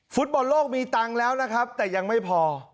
ฟุตบอลโลกมีตังค์แล้วนะครับแต่ยังไม่พอ